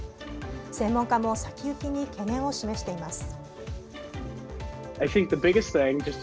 専門家も先行きに懸念を示しています。